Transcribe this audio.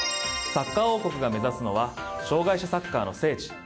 サッカー王国が目指すのは障害者サッカーの聖地。